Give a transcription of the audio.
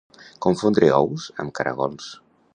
Confondre ous amb caragols.